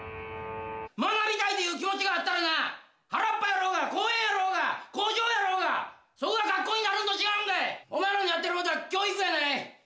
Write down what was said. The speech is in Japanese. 学びたいという気持ちがあったらな、原っぱやろうが公園やろうが、工場やろうが、そこが学校になるんと違うんか、お前らのやってることは教育やない。